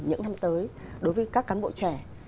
những năm tới đối với các cán bộ trẻ